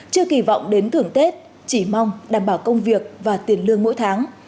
chưa kỳ vọng đến thưởng tết chỉ mong đảm bảo công việc và tiền lương mỗi tháng